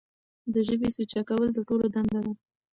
د ژبې سوچه کول د ټولو دنده ده.